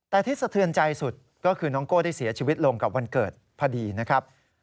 แต่ที่สะเทือนใจสุดก็คือน้องโก้ได้เสียชีวิตลงกับวันเกิดพอดีนะครับ